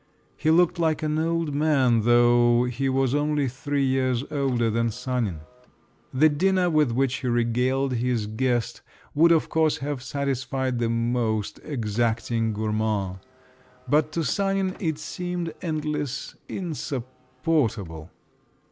He looked like an old man, though he was only three years older than Sanin. The dinner with which he regaled his guest would of course have satisfied the most exacting gourmand, but to Sanin it seemed endless, insupportable!